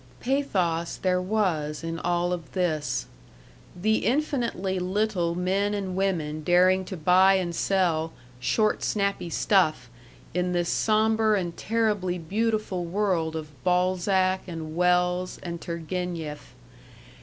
Pathos there was in all of this; the infinitely little men and women daring to buy and sell "short, snappy stuff" in this somber and terribly beautiful world of Balzac and Wells and Turgenieff.